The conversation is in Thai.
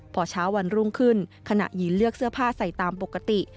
พอเช้าวันรุ่งขึ้นขณะยืนเลือกเสื้อผ้าใส่ตามปกติ